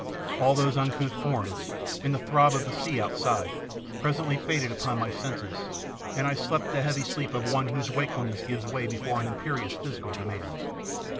All those uncouth forms, and the throb of the sea outside, presently faded upon my senses, and I slept the heavy sleep of one whose wakefulness gives way before an imperious physical demand.